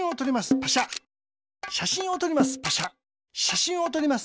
しゃしんをとります。